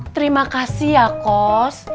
terima kasih ya kos